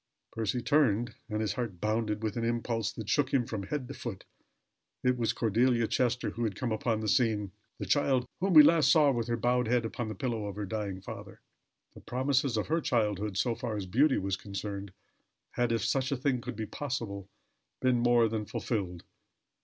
Percy turned, and his heart bounded with an impulse that shook him from head to foot. It was Cordelia Chester who had come upon the scene, the child whom we last saw with her bowed head upon the pillow of her dying father. The promises of her childhood, so far as beauty was concerned, had, if such a thing could be possible, been more than fulfilled.